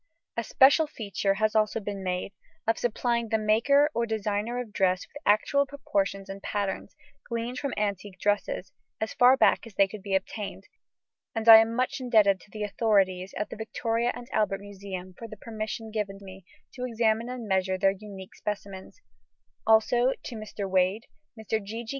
A special feature has also been made, of supplying the maker or designer of dress with actual proportions and patterns, gleaned from antique dresses, as far back as they could be obtained; and I am much indebted to the authorities at the Victoria and Albert Museum for the permission given me to examine and measure their unique specimens; also to Mr. Wade, Mr. G. G.